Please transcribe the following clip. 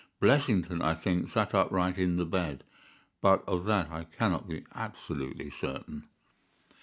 Blessington, I think, sat upright in the bed, but of that I cannot be absolutely certain.